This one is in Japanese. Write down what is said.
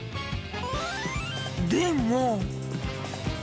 でも。